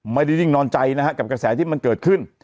นิ่งนอนใจนะฮะกับกระแสที่มันเกิดขึ้น